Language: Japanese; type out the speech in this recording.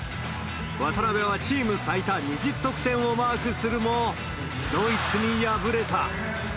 渡邊はチーム最多２０得点をマークするも、ドイツに敗れた。